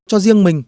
cho riêng mình